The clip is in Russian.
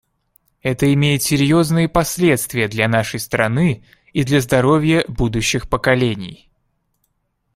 Это имеет серьезные последствия для нашей страны и для здоровья будущих поколений.